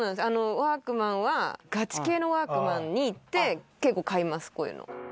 ワークマンはガチ系のワークマンに行って結構買います、こういうの。